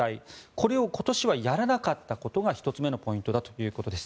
これを今年はやらなかったことが１つ目のポイントだということです。